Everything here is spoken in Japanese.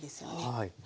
はい。